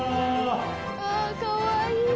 ああかわいい。